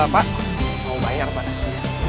pak mau bayar pak